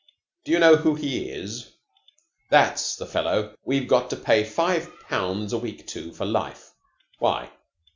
Do you know who he is? That's the fellow we've got to pay five pounds a week to for life." "Why?"